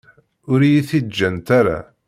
Ur iyi-t-id-ǧǧant ara.